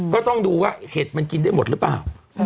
ก็ต้องดูว่าเห็ดมันกินได้หมดหรือเปล่า